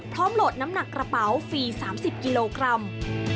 โหลดน้ำหนักกระเป๋าฟรี๓๐กิโลกรัม